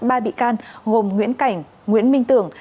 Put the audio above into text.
ba bị can gồm nguyễn cảnh nguyễn minh tưởng